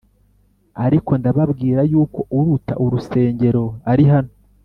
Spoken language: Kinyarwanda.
ariko ndababwira yuko uruta urusengero ari hano”